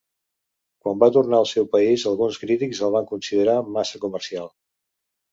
Quan va tornar al seu país alguns crítics el van considerar massa comercial.